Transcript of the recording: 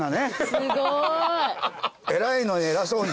すごい。